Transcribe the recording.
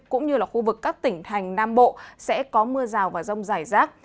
cũng như khu vực các tỉnh thành nam bộ sẽ có mưa rào và rông giải rác